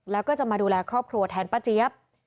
แล้วก็จะมาดูแลครอบครัวแทนป้าเจี๊ยบ